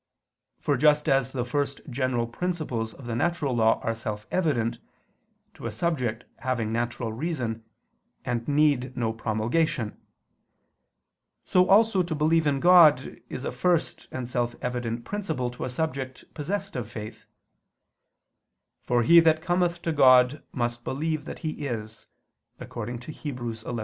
For just as the first general principles of the natural law are self evident to a subject having natural reason, and need no promulgation; so also to believe in God is a first and self evident principle to a subject possessed of faith: "for he that cometh to God, must believe that He is" (Heb. 11:6).